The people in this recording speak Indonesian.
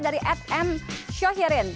dari fm syohirin